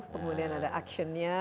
kemudian ada action nya